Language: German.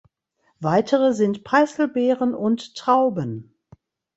Weitere sind Preiselbeeren und Trauben.